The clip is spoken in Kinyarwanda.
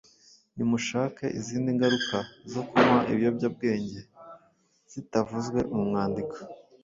Nimushake izindi ngaruka zo kunywa ibiyobyabwenge zitavuzwe mu mwandiko.